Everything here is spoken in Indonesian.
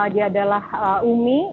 dia adalah umi